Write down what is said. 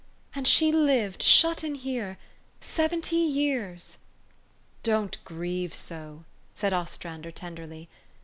And she lived shut in here seventy years." "Don't grieve so!" said Ostrander tenderly.